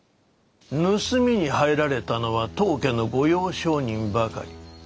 盗みに入られたのは当家の御用商人ばかり。